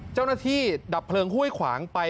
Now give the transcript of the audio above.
เจ้าหน้าที่ดับเพลิงหุ้ยขวางไป